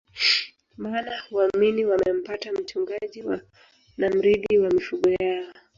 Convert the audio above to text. Maana huamini wamempata mchungaji na mrithi wa mifugo yao